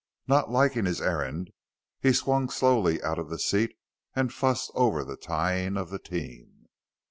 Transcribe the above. Not liking his errand, he swung slowly out of the seat and fussed over the tying of the team.